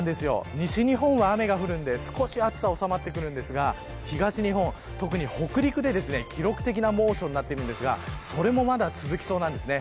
西日本は雨が降るので暑さが少し収まりますが、東日本特に北陸で記録的な猛暑になってるんですがそれもまだ続きそうなんですね。